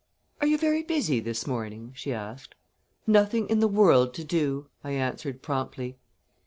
"Are you very busy this morning?" she asked. "Nothing in the world to do!" I answered promptly.